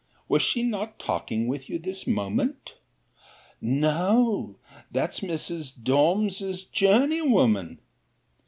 Was she not talking with you this moment? 'No, that's Mrs. Dolins's journey woman.